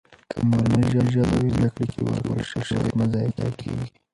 که مورنۍ ژبه وي، نو زده کړې کې ورکړل شوي وخت مه ضایع کېږي.